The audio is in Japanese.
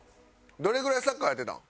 どれぐらいサッカーやってたん？